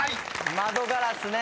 「窓ガラス」ね。